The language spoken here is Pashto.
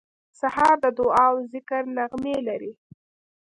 سهار د دعا او ذکر نغمې لري.